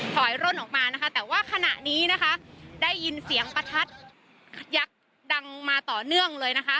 ถอยร่นออกมานะคะแต่ว่าขณะนี้นะคะได้ยินเสียงประทัดยักษ์ดังมาต่อเนื่องเลยนะคะ